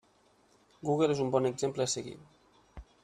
Google és un bon exemple a seguir.